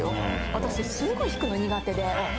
私すごい弾くの苦手で。